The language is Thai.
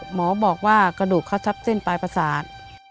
หมอบอกว่ากระดูกเขาทับเส้นปลายประสาท